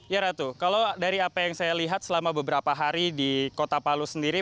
ya ratu kalau dari apa yang saya lihat selama beberapa hari di kota palu sendiri